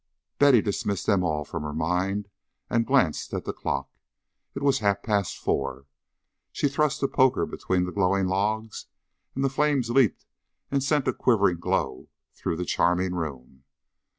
Betty dismissed them all from her mind and glanced at the clock. It was half past four. She thrust the poker between the glowing logs, and the flames leaped and sent a quivering glow through the charming room.